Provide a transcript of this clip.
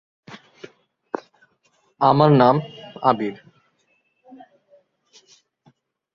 Shanghai Yuan রাজবংশের একটি county আসন হয়ে উঠেছিল, তবে এটি তুলনামূলকভাবে একটি ছোট শহর ছিল।